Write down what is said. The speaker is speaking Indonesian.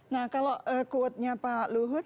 nah kalau quote nya pak luhut